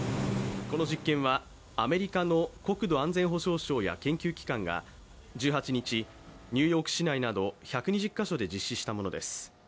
この実験はアメリカの国土安全保障省や研究機関が１８日、ニューヨーク市内など１２０カ所で実施したものです。